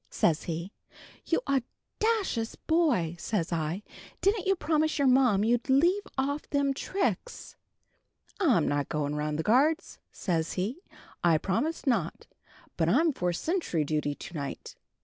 says he. 'You awdacious boy!' says I, 'Didn't you promise your ma you'd leave off them tricks?' 'I'm not going round the guards,' says he; 'I promised not. But I'm for sentry duty to night.'